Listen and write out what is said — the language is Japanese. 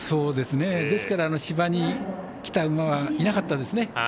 ですから、芝に来た馬はいなかったですね。